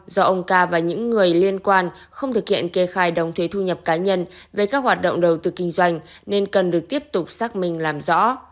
do ông ca và những người liên quan không thực hiện kê khai đóng thuế thu nhập cá nhân về các hoạt động đầu tư kinh doanh nên cần được tiếp tục xác minh làm rõ